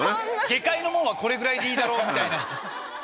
下界のもんはこれぐらいでいいだろうみたいな。